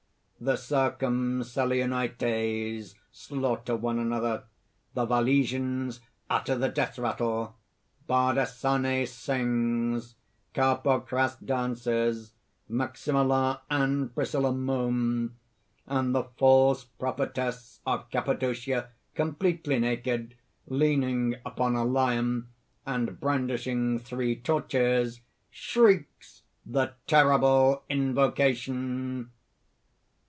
The Circumcellionites slaughter one another; the Valesians utter the death rattle; Bardesanes sings; Carpocras dances; Maximilla and Priscilla moan; and the false prophetess of Cappadocia, completely naked, leaning upon a lion, and brandishing three torches, shrieks the Terrible Invocation.